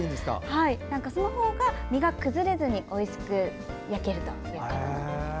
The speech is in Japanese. そのほうが、身が崩れずにおいしく焼けるということです。